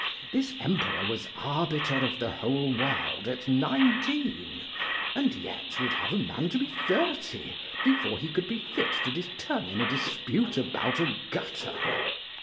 This emperor was arbiter of the whole world at nineteen, and yet would have a man to be thirty before he could be fit to determine a dispute about a gutter.